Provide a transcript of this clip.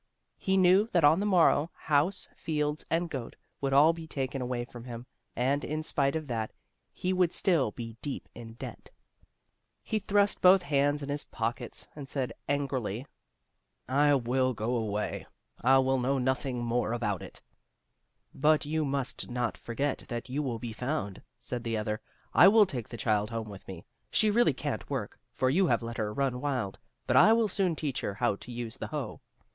He knew that on the morrow house, fields, and goat would all be taken away from him, and in spite of that he would still be deep in debt. He thrust both hands in his pockets and said, angrily: 50 THE ROSE CHILD "I will go away. I will know nothing more about it." "But you must not forget that you will be found," said the other. "I will take the child home with me. She really can't work, for you have let her run wild, but I will soon teach her how to use the hoe.